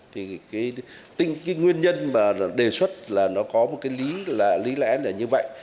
thì cái nguyên nhân mà đề xuất là nó có một cái lý lẽ là như vậy